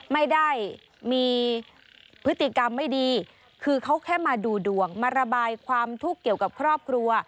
ไม่ได้มีพฤติกรรมไม่ดีคือเขาแค่มาดูดวงมาระบายความทุกข์เกี่ยวกับครอบครัว